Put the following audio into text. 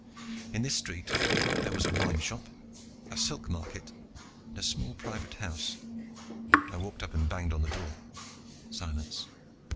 In this street there was a wineshop, a silk market, and a small private house. I walked up and banged on the door. Silence.